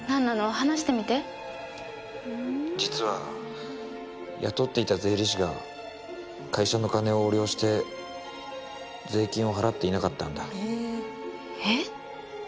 話してみて実は雇っていた税理士が会社の金を横領して税金を払っていなかったんだえっ！？